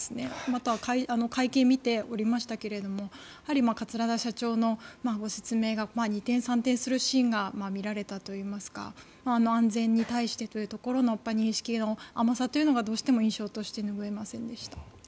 あと、会見を見ておりましたけど桂田社長のご説明が二転三転するシーンが見られたといいますか安全に対してというところの認識の甘さというのがどうしても印象として拭えませんでした。